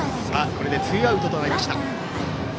これでツーアウトとなりました。